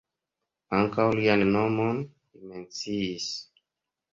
Ankaŭ lian nomon li menciis.